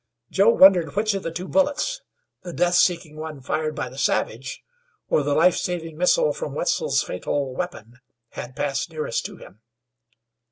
Joe wondered which of the two bullets, the death seeking one fired by the savage, or the life saving missile from Wetzel's fatal weapon, had passed nearest to him.